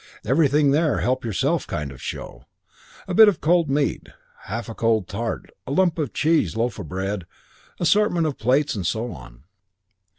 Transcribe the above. Everything there, help yourself kind of show. Bit of cold meat, half a cold tart, lump of cheese, loaf of bread, assortment of plates, and so on.